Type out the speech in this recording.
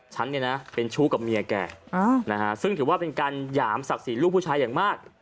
ฉันเนี่ยนะเป็นชู้กับเมียแกนะฮะซึ่งถือว่าเป็นการหยามศักดิ์ศรีลูกผู้ชายอย่างมาก